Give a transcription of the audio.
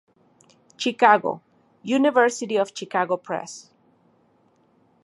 Chicago: University of Chicago Press.